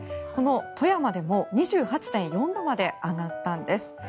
この富山でも２８．４度まで上がったんです。